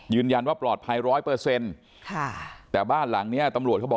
ยืนยันว่าปลอดภัย๑๐๐แต่บ้านหลังนี้ตำรวจเขาบอก